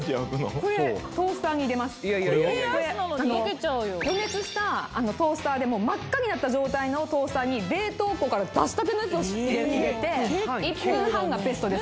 これ予熱したトースターでもう真っ赤になった状態のトースターに冷凍庫から出したてのやつを入れて１分半がベストです